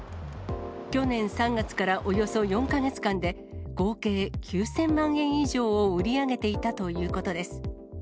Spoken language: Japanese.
去年３月からおよそ４か月間で、合計９０００万円以上を売り上げていたということです。